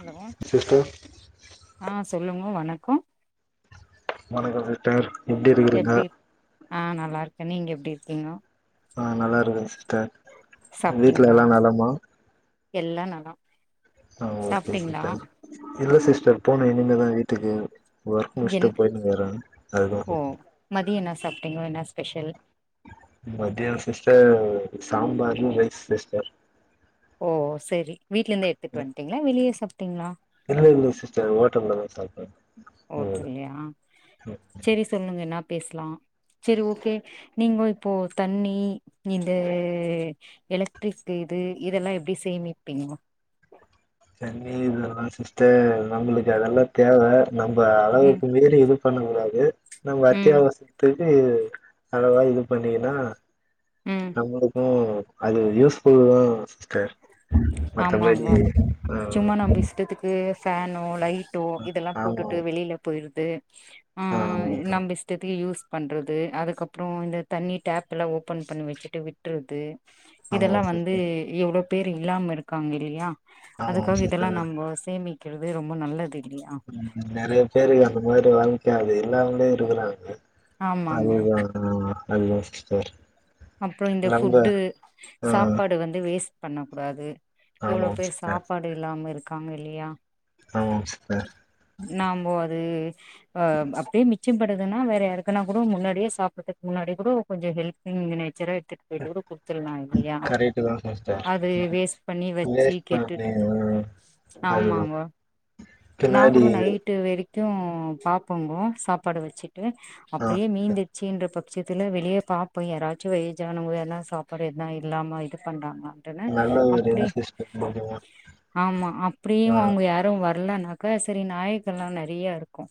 Hello sister ஆ சொல்லுங்க வணக்கோ வணக்கம் சிஸ்டர் எப்டி இருக்கிறீங்க எப்டி ஆ நல்லா இருக்கே நீங்க எப்டி இருக்கீங்கோ ஆ நல்லா இருக்கே சிஸ்டர் வீட்ல சாப்ட்டீங்களா எல்லா நலமா எல்லா நலோ ஆ ஓக்கே சிட்டர் இல்ல சிஸ்டர் போணு இனிமேதா வீட்டுக்கு ஒர்க் என் முடிஸ்ட்டு போயின்னு இக்குறே அதுதா சிஸ்டர் மதியம் என்ன சாப்ட்டீங்க என்னா ஸ்பெஷல் மதிய சிஸ்டர் சம்பாரு ரைஸ் சிஸ்டர் ஓ சரி வீட்ல இருந்து எடுத்துட்டு வன்ட்டீங்ளா வெளிய சாப்ட்டீங்ளா இல்ல இல்ல சிஸ்டர் ஓட்டல்ல தா சாப்ட்டே ஓட்டல்லையா சேரி சொல்லுங்க என்ன பேசலா சேரி ஓக்கே நீங்க இப்போ தண்ணி இந்த எலக்ட்ரிக் இது இதெல்லா எப்டி சேமிப்பீங்க தண்ணி இதெல்லா சிஸ்டர் நம்பளுக்கு அதெல்லா தேவ நம்ப ம் அளவுக்கு மீறி இது பண்ண கூடாது நம்ம ம் அத்தியாவசியத்துக்கு அளவா இது பண்ணிகின்னா ம் நம்மளுக்கு. அது யூஸ்புல் தா சிஸ்டர் ஆமாங்க மத்தபடி ஆ சும்மா நம்ப இஷ்டத்துக்கு ஃபேனோ லைட்டோ இதெல்லா ஆமா போட்டுட்டு வெளியில போயிற்றது ஆ உம் நம்ப இஷ்டத்துக்கு யூஸ் பண்றது அதுக்கப்றோ இந்த தண்ணி டேப்ல்லா ஓப்பன் பண்ணி வச்சுட்டு விட்றது ஆமா இதெல்லா வந்து சிஸ்டர் எவ்ளோ பேர் இல்லாம இருக்காங்க இல்லையா ஆமா அதுக்காக இதெல்லா சிஸ்டர் நம்ப சேமிக்றது ரொம்ப நல்லது இல்லையா நெறைய பேருக்கு அந்த மாறி வாழ்க்க அது இல்லாமலே இருக்கறாங்க ஆமாங்க அதுதா ஆ அது யோசிச்சு பார் அப்றோ இந்த ஃபுட்டு ஆ சாப்பாடு வந்து வேஸ்ட் பண்ணக்கூடாது எவ்ளோ ஆமா பேர் சிஸ்டர் சாப்பாடு இல்லாம இருக்காங்க இல்லயா ஆமா சிஸ்டர் நம்போ அது அ அப்டியே மிச்சம்படுதுன்னா வேற யாருக்குனா கூட முன்னாடியே சாப்பட்றதுக்கு முன்னாடி கூட கொஞ்சோ ஹெல்ப் இன் இங்க நேச்சரா எடுத்துட்டு போய்ட்டு கூட குடுத்துட்லா இல்லயா கரெக்ட்டு தா சிஸ்டர் அது வேஸ்ட் பண்ணி வச்சு வேஸ்ட் பண்ணி கெட்டுட்டு அதுதா ஆமாங்க நா பின்னாடி கூட நைட்டு வரிக்கு பாப்போங்கோ சாப்பாடு வச்சுட் டு ஆ அப்டியே மீந்துச்சுன்ற பக் விசியத்துல வெளிய பாப்போ யாராச்சு ஏஜ் ஆனவங்க யார்னா சாப்பாடு எத்னா இல்லாம இது பண்றாங்களான்னு ட்ட உட்னே நல்ல ஒரு இது அப்டி சிஸ்டர் ஆமா அப்டியு ஆ அவங்க யாரு வரலன்னாக்கா க்கு சேரி நாயகன்ல்லா நெறையா இருக்கு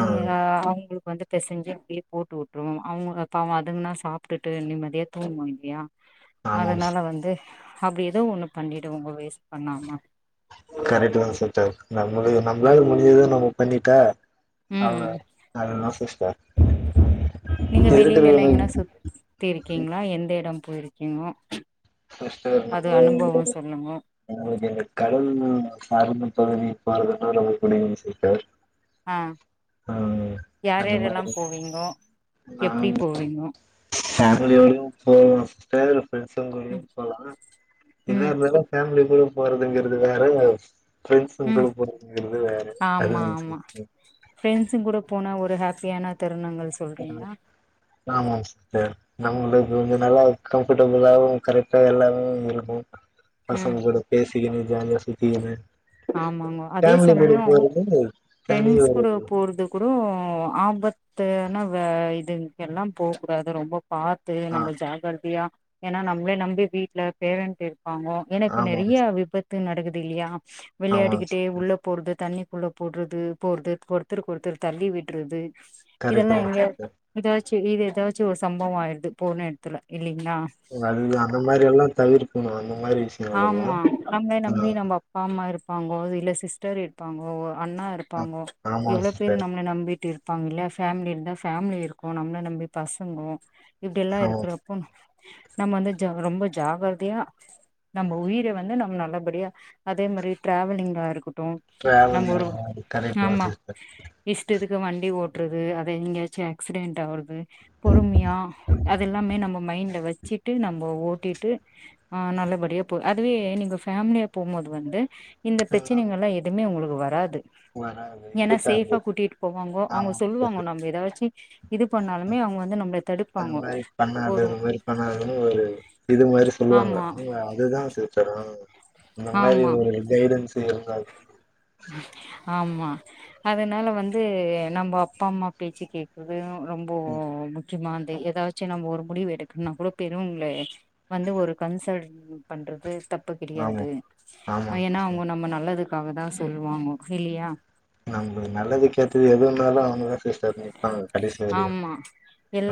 ஆ அவுங்களுக்கு வந்து பெசெஞ்சு அப்பிடியே போட்டு உட்டுருவோ அவங்க பாவோ அதுங்களாவது சாப்ட்டுட்டு நிம்மதியா தூங்கு இல்லையா ஆமாம் சிஸ் அதனால வந்து அப்டி ஏதோ ஒண்ணு பண்ணிடுவங்க வேஸ்ட் பண்ணாம கரெக்ட் தா சிஸ்டர் நம்மளுக்கு நம்மளால முடிஞ்சத நம்ப பண்ணிட்டா அவ்ளதா ம் அவ்ளதா சிஸ்டர் நீங்க வெளியில எல்லா இருக்கிறது எங்கன்னா சுத்தி இருக்கீங்ளா எந்த எடம் போயிருக்கீங்க சிஸ்டர் நம்ம வந்து சொல்லுங்கோ நம்ளுக்கு இந்த கடவுள் [unintelligible] நமக்கு புடிக்குங் சிஸ்டர் ஆ ம் அந்த மாதிரி ங்கோ [unintelligible] ஃப்ரண்ட்ஸ்ங்கூடயு ம் போலா இல்ல ம் இருந்தாலு ஃபேமிலி டூர் போறதுங்கிறது வேற ம் ஃப்ரெண்ட்ஸ்ங்கூட போறதுங்கிறது வேற அது ஆமா ஒன்னும் ஆமா பிரச்சனை இல்ல ஃப்ரெண்ட்ஸுங் கூட போன ஒரு ஹாப்பியான தருணங்கள் சொ ம் ஆமா சிஸ்டர் நம்மளுக்கு கொஞ்ச நல்லா கம்ஃபர்டபிளாவு கரெக்டா எல்லாமு இருக்கு ம் பசங்க கூட பேசிகினு ஜாலியா சுத்திகினு ஆமாங்கோ அதே சமயோ தனி ஃப்ரெண்ட்ஸ் ஒரு கூட போறது கூடோ ஆபத்துன வே இது எல்லா போக்கூடாது ரொம்ப பாத்து ஆ நம்ம ஜாக்ரதையா ஏன்னா நம்மளே நம்பி வீட்ல பேரெண்ட் இருப்பாங்கோ ஏன்னா இப்ப ஆமாங்க நெறைய சிஸ் விபத்து நடக்குது இல்லயா ஆமாங்க வெளயாடிக்கிட்டே சிஸ்டர் உள்ள போறது தண்ணிக்குள்ள போட்றது போறது ஒருத்தருக்கு ஒருத்தர் தள்ளி விட்றது இதெல்லா கரெக்ட்டு தா எங்க சிஸ்டர் இத வெச்சு இது ஏதாச்சு ஒரு சம்பவ ஆயிடுது போன எடத்துல இல்லைங்ளா அதுதா அந்த மாரி எல்லா தவிர்க்கணு அந்த மாரி விஷயங்கல்லா அ பாமா இருப்பாங்கோ இல்ல சிஸ்டர் இருப்பாங்கோ அண்ணா இரு ஆ பாங்கோ ஆமாங்க இவ்ளோ பேரு சிஸ்டர் நம்மள நம்பிட்டு இரு ப்பாங்க இல்ல ஃபேமிலி இருந்தா ஃபேமிலி இருக்கு நம்மள நம்பி பசங்கோ இப்டி எல்லா ஆமா இருக்ற போ நம்ம வந்து ஜக் ரொம்ப ஜாகரதயா நம்ம உயிர வந்து நம்ம நல்லபடியா அதே மாரி டிராாவலிங்கா இருக்கட் ட்டு நம்ம டிராவலிங் ஒரு கரெக்ட் தா ஆமா சிஸ்டர் இஷ்டத்துக்கு வண்டி ஓட்றது அத எங்கயாச்சு ஆக்சிடென்ட் ஆவறது பொறுமையா அதெல்லாமே நம்ம மைண்ட்ல வச்சுட்டு நம்ம ஓட்டிட்டு ஆ நல்லபடியா போ அதுவே நீங்க ஃபேமிலியா போம்போது வந்து இந்த ம். பிரச்சனைங்கள்லா எதுமே உங்களுக்கு வராது வராது ஏனா சேஃபா இருக்காது கூட்டிட்டு போவாங்கோ அவங்கே சொல்லுவாங்கோ நம்ம ஏதாச்சி அது தடுப்பாங்க மாரி பண்ணாத ஒரு இது மாதிரி பண்ணாத ஒரு இது மாரி சொல்லுவாங்கே ஆமா அவங்க இதுதா பியூச்சரா இந்த மாதிரி ஆமா ஒரு கைடன்ஸ் இருந்தாது ஆமா அதனால வந்து நம்ப அப்பா அம்மா பேச்ச கேக்கரது ரொம்ப ம் முக்கியமாந்தே ஏதாச் ச்சு நம்ப ஒரு முடிவு எடுக்கனுனா கூட பெருவங்ளே வந்து ஒரு கன்சர்ன் பண்றது தப்பு ஆமா கெடையாது ஆமாங்க ஏனா அவங்கோ சிஸ்டர் நம்ம நல்லதுக்காகதா சொல்லுவாங்கோ இல்லயா நம்மளுக்கு நல்லதுக்கேத்தது எது வாந்தாலு அவங்க தா சிஸ்டர் ஆ கடைசி வரையு ஆமா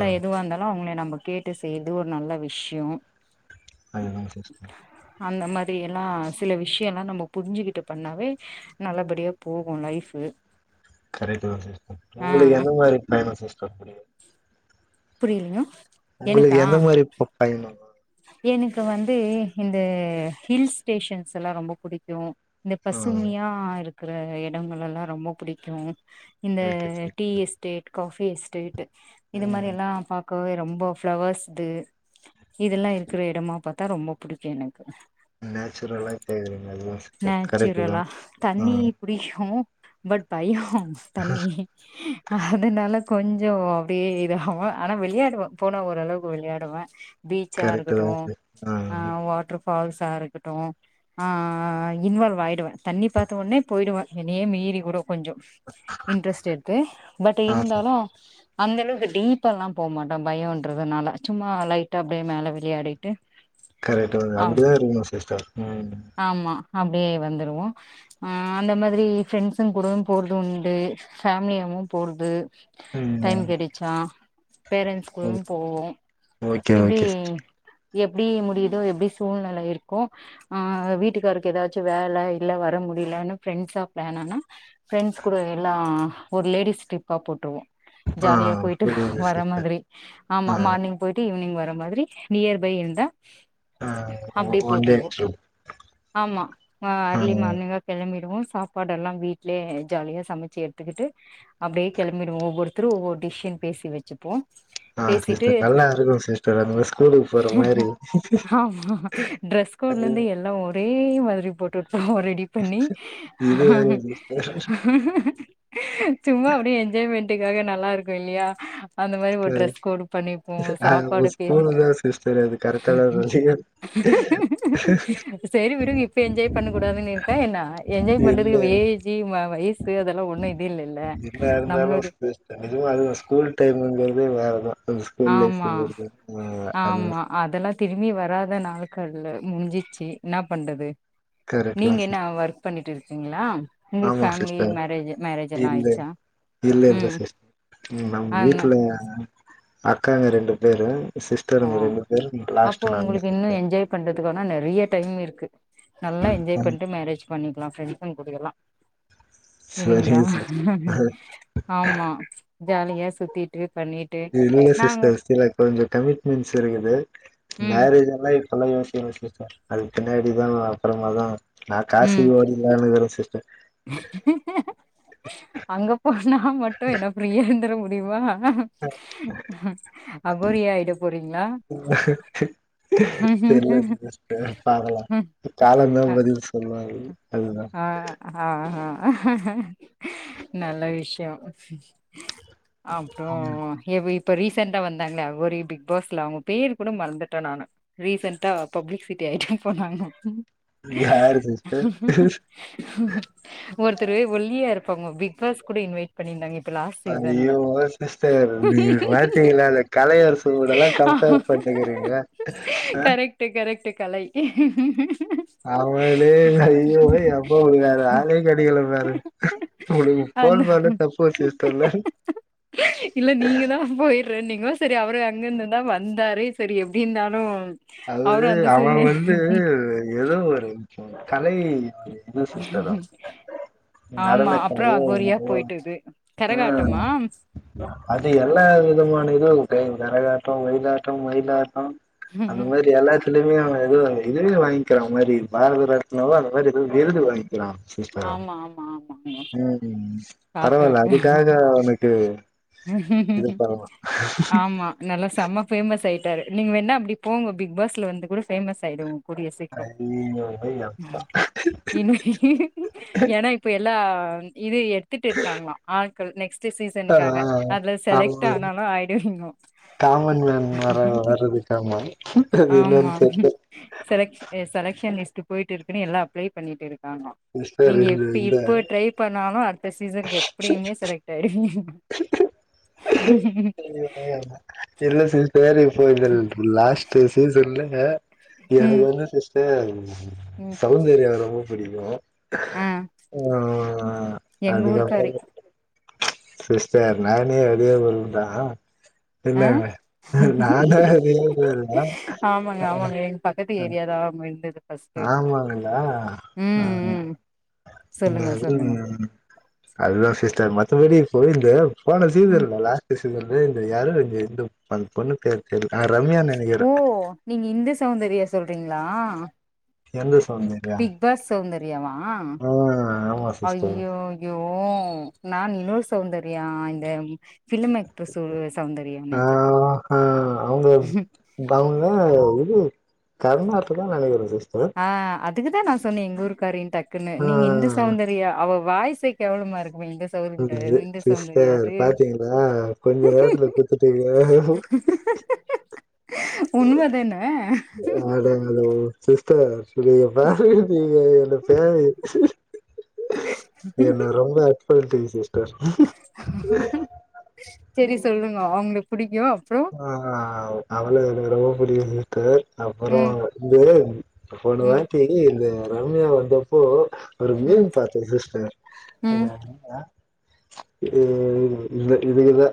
ஆ எதுவா இருந்தாலு அவங்கள நம்ம கேட்டு செய்றது ஒரு நல்ல விஷ்யோ அதுதா சிஸ்டர் அந்த மாரி எல்லா சில விஷயல்லா நம்ம புரிஞ்சுகிட்டு பண்ணாவே நல்லபடியா போகு லைஃபு கரெக்டு தா சிஸ்டர் ஆ உங்களுக்கு எந்தே மாரி பயணோ சிஸ்டர் புடிக்கு புரியலையா உங்களுக்கு எந்த மாரி பையனோ எனக்கு வந்து இந்தே ஹில்ஸ் ஸ்டேஷன்ஸ் எல்லா ரொம்ப புடிக்கு இந்த ஆ பசுமையா இருக்கற இடங்கள் எல்லா ரொம்ப பிடிக்கு இந்த okay tea sister estate coffee estate இந்த மாரி ம் எல்லா பா க்கவே ரொம்ப ஃப்ளவர்ஸ்து இதெல்லா இருக்கறே எடமா பாத்தா ரொம்ப பிடிக்கு எனக்கு நேச்சுரலா கேக்குறீங்க அதுதா சிஸ்டர் கரெக்ட் தா நேச்சுரல்லா ஆ தண்ணி புடிக்கு பட் பையோ தண்ணி அதனாலே கொஞ்சோ அப்டியே இதாகு ஆனா விளையாடுவே போன ஓரளவுக்கு வெளையாடுவே பீச்சா கரெக்ட் இருக்கட்டு தா சிஸ் ஆ வாட்டர் ஃபால்ஸா இருக்கட்டு ஆ இன்வால்வ் ஆயிடுவே தண்ணி பாத்த உடனே போயிடுவே என்னேயே மீறி கூடோ கொஞ்சோ இன்ட்ரெஸ்ட் எடுத்து பட் ஆ சிஸ் இருந்தாலு அந்த அளவுக்கு டீப்பாலா போமாட்டே பயோன்றதுனால சும்மா லைட்டா அப்டியே மேல விளையாடி கரெக்டடு அப்டிதா இருக்கனு சிஸ்டர் ம் ஆமா அப்டியே வந்துருவோ ஆ அந்த மாரி ஃப்ரெண்ட்ஸுங்க கூட போறது உண்டு ஃபேமிலியாவு போறது டைம் ம் கிடைச்சா பேரண்ட்ஸ் ஓ கூடையு போவோ ஓகே இப்டி ஓகே சிஸ்டர் எப்டி முடியுதோ எப்டி சூழ்நெல இருக்கோ ஆ வீட்டுக்காருக்கு ஏதாச்சு வேல இல்ல வர முடியலன்னு ஃப்ரெண்ட்ஸா பிளான் ஆனா ஃப்ரெண்ட்ஸ் கூட எல்லா ஒரு லேடிஸ் ட்ரிப்பா போட்ருவோ ஆ ஜாலியா போயிட்டு புரியுது வர சிஸ்டர் மாதிரி ஆமா ஆ மார்னிங் போயிட்டு ஈவினிங் வர மாதிரி நியர் பை இருந்தா ஆ ஒ அப்டி ஒன் டே போட்டுருவோ ட்ரிப் ஆமா வ ஆ எர்லி மார்னிங்கா கிளம்பிடுவோ சாப்பாடு எல்லா வீட்லயே ஜாலியா சமச்சி எடுத்துக்கிட்டு அப்டியே கிளம்பிடுவோ ஒவ்வொருத்தரு ஒவ்வொரு டிஷன்னு பேசி வச்சுப்போ பேசிட்டு ஹலோ சிஸ்டர் [unintelligible] ஆமா டிரெஸ் கோட்ல அது இருந்து எல்லா ஓ ஒரே மாதிரி போட்டுட்டுதா ரெடி பண்ணி இது வேற சிஸ்டர் சும்மா அப்டியே என்ஜாய்மென்ட்டுக்காக நல்லா இருக்கு இல்லையா அந்த மாரி ஒரு டிரெஸ் கோடு பண்ணிப்போ சாப்பாடு பேசி மூணு பேருதானே சிஸ்டரு எனக்கு கரெக்டானதானு தெரியாது சேரி விடுங்க இப்ப என்ஜாய் பண்ண கூடாதுன்னு இருக்கா என்ன என்ஜாய் இல்ல பண்றதுக்கு வே ஏஜு வ வயசு அதெல்லா ஒண்ணு இது இல்லேல நம்மளுடைய இதுவு அதுவு ஸ்கூல் டைம்ங்குறதே வேறதா அது ஸ்கூல் ஆமா லைஃப்ங்கிறது அது ஆமா அதெல்லா திரும்பி வராத நாள்க்கள் முடிஞ்சிச்சு இன்னா பண்றது கரெக்ட் தா நீங்க என்ன சிஸ் ஒர்க் பண்ணிட்டு இருக்கீங்களா உங்களுக்கு ஆமா ஃபேமிலி சிஸ்டர் மேரேஜ் மேரேஜ் எல்லா இல்ல ஆயிடுச்சா இல்ல இல்ல ம் சிஸ் நம்ம ஆமா வீட்ல அக்காங்க ரெண்டு பேரு ஓ சிஸ்டருங்க ரெண்டு பேரு லாஸ்ட்டு நானு இருப்பே பண்றதுக்கு வேணா நெறைய டைம் இருக்கு நல்லா என்ஜாய் ம் பண்ட்டு மேரேஜ் பண்ணிக்கலா ஃப்ரெண்ட்ஸ்சுங்க கூட எல்லா இல்லைங்களா சரிங்க சிஸ்டர் ஆமா ஜாலியா சுத்திட்டு பண்ணி இல்லிங்க சிஸ்டர் சில கொஞ்சோ கமிட்மெண்ட்ஸ் இருக்குது ம் மேரேஜ் ஆனா இப்பல்லா யோசிக்கல சிஸ்டர் அதுக்கு பின்னாடிதா அப்பறமா தா நா ம் காசிக்கி ஓடிரலானு இருக்குறே சிஸ்டர் அங்க போனா மட்டு என்ன பிரியேந்துர முடியுமா அகோரி ஆயிட போறீங்களா தெர்ல சிஸ்டர் பாக்கலா காலம் தான் அ பதில் சொல் [unintelligible] அது தா ஆ ஆ ஆ நல்ல விஷயோ அப்றோ எவ் இப்ப ரீசெண்டா வந்தாங்களே அகோரி பிக் பாஸ்ல அவுங்க பேர் கூட மறந்துட்டே நானு ரீசன்டா பப்ளிக்சிட்டி ஆய்ட்டேன்ப்பா நானு யாரு சிஸ்டர் ஒர்த்தரு ஒல்லியா இருப்பாங்கோ பிக் பாஸ் கூட இன்வைட் பண்ணியிருந்தாங்க இப்ப லாஸ்ட் சீசன்ல ஐய்யோ சிஸ்டர் நீங்க பாட்னு இல்லாத கலையரச கூடல்லா கம்ப்பேர் பண்ட்ணுக்கீறிங்க ஆ ட்டு கரெக்ட்டு கலை அவளே ஐயோ அப் பா உங்ளுக்கு வேற ஆலே கெடைக்கல பாரு உங்குளுக்கு அந்த ஃபோன் பண்ணத் தப்பாபோச் சிஸ்டர் இல்ல நீங்க தா போய்றன்னிங்கோ செரி அவரு அங்கர்ந்துதா வந்தாரு செரி எப்டி இந்தாலு அவுரு அவன் வந்து எதோ ஒரு கலை இது சிஸ்டர் ம் அவன் ஆமா நடன அப்றோமா கலையோ அகோரியா என்னவோ போய்ட்டது ம் கரகாட்டமா அது எல்லா விதமான இதுவு இருக்கு கரகாட்டோ வொயிலாட்டோ மயிலாட்டோ அந்த ம் மாரி எல்லாத் இதுலவே அவன் விருது வாங்க்கிற மாரி பாரத ரத்னாவா அந்த மாரி விருது வாங்கி கிறான் சிஸ்டர் ஆமா ஆமா ஆமாங்க ம் ம் பரவால்ல பாத்துருக்கேன் அதுக்காக உனக்கு ஆமா நல்ல செம்மா ஃபேமஸ் ஆய்ட்டாரு நீங்க வேண்ணா அப்டி போங்கோ பிக் பாஸ்ல வந்து கூட ஃபேமஸ் ஆய்டுவோ கூடிய சீக்றோ ஐயோ இன்னு ஏனா இப்ப எல்லா இது எடுத்துட்டு இர்க்காங்களா ஆல் நெக்ஸ்ட்டு ஆ சீசன்க்காக அதுல செலக்ட் ஆமா ஆனாலு ஆய்டுவிங்கோ காமன் மேன் வர வர்றதுக்கா மா அது இல்லன் தெர்து செலக்ஷ் செலக்ஷன்லிஸ்ட்டு போய்ட்டு இருக்குன்னு எல்லா அப்ளே பண்ணிட்டு இருக்காங்கோ சிஸ்டர் நீங்க இந்த எப்டி இந்த இப்ப ட்ரை பண்ணாலு அடுத்த சீசனுக்கு எப்புடியுமே செலக்ட் ஆய்டுவிங்க [unintelligible] எல்லா இல்ல சிஸ்ட் சேரி இப்போ இத லாஸ்ட்டு சீசன்ல எனக்கு ம் வந்து சிஸ்டர் ம் சௌந்தர்யா ரொம்ப புடிக்கும் ஆ ஆ எங்க அதுக்கப்ப ஊருக்காரு சிஸ்டர் நானே வெளிய வந்தா ஆ இல்ல நானா வெளியூர் போய்ர்ந்தா ஆமாங்க ஆ ஆமாங்க எங்க பக்கத்து ஆ ஏரியாதா இருந்தது ஃபர்ஸ்ட்டு ஆமாங்ளா ஆ ம் ம் சொல்லுங்க சொல்லுங்க [unintelligible] ம் அதுதா சிஸ்டர் மத்தபடி போய்ருந்து போன சீன் ம் இருக்கோல்ல த்த சீசன்ல இந்த யாரும் இங்க இந்த அந் பொண்ணு பேர் தெர்ல ஆ ரம்யா ஓ நினைக்கிறே நீங்க இந்த சௌந்தரியா சொல்றிங்ளா எந்த செளந்து பிக் பாஸ் சௌந்தர்யாவா ஆமா சிஸ்டர் அய்யோ யோ நா இன்னொரு சௌந்தர்யா இந்த பிலிமேக் ட்விஸ்ட் உள்ள சௌந்தர்யா ஆ நென்ச்சிட்டே அவுங்ளா இது கர்மாத்தூர் தா நெனைக்கிற சிஸ் ஆ அதுக்குதா நா சொன்னே எங்கூருக்காரின் டக்குன்னு ஆ நீங்க இந்த செளந்தர் யா அவ வாய்சே கேவலமாருக்குமே சிஸ்டர் பாத்திங்ளா கொஞ்ச நேரத்துல குத்திட்டிங்க உண்மதான [unintelligible] ப்ரோ சிஸ்டர் இவுங்க ஃபேவரட் இல்ல இவுங்க ஃபேனு என்ன ரொம்ப அர்ட் பண்டிங்க சிஸ் செரி சொல்ங்கே அவுங்கள பிடிக்கு அப்புற ஆ அவள எனக்கு ரொம்ப புடிக்கும் சிஸ்டர் அப்புற ம் இந்த ம் போனவாட்டி இந்த ரம்யா வந்தப்போ ஒரு ம் மீம் பாத்த சிஸ்டர் ம் [unintelligible] இ இதுக்குதா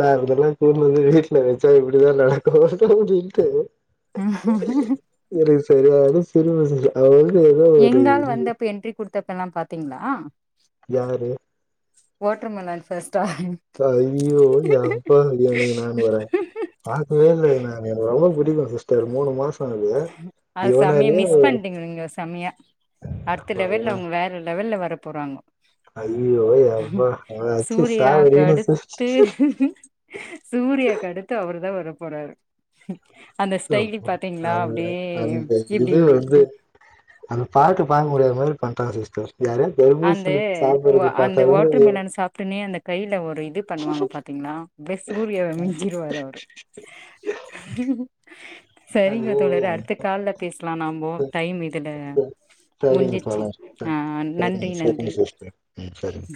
லேகத்துல [unintelligible] ட்ல வச்சா இப்படிதா நடக்கு அப்டினுட்டு [unintelligible] [inaudible] எனக்கு சரியான சிரிப்பு சிஸ்டர் அவளுக்கு ஏதோ ஒரு இரு இப்ப என்ரி குடுத் த்தப்ப எல்லா பாத்தீங்களா யாரு வாட்ருமெலன் ஃபஸ்டா ப்பா ஐயோ யாப்பா இத நானு வரே பாக்கவே இல்ல இது நா எனக்கு ரொம்ப புடிக்கு சிஸ்டர் மூணு மாச அது செமை மிஸ் பண்ணிட்டீங்க நீங்க செமையா அடுத்த இவ லெவல அவங்க வேற லெவல வர போறாங்க ஐயோ யப்பா அச்சு சூரியாவுக்கு சாவடின்னு அடுத்து சிஸ்டர். சூர்யாக்கு அடுத்து அவர்தா வர போறாரு அந்த ஸ்டைல் பாத்தீங்களா அந்த அப்டியே அந்த இப்டி இது வந்து அது பாட்ட பாக்க முடியாத மாரி பண்றாங்க சிஸ்டர் யாரு அந்த அந்த வாட்டர் ஏ- மெலன் சாப்பிட்டுனே அந்த கையில ஒரு இது பண்ணுவாங்க பாத்தீங்களா அப்டியே சூரியாவ மிஞ்சிருவாரு அவரு [inaudible] [inaudible] செரிங்க ஐயோ, தோழரே அடுத்த கால்ல பேசலாம் நம்ப டைம் இதுல செரிங்க முஞ்சிச்சு தோழர் ஆ செரிங்க நன்றி நன்றி செரிங்க சிஸ்டர் ம் செரிங்க